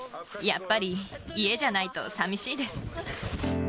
やっぱり家じゃないとさみしいです。